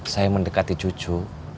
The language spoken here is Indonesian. saya mendekati cucu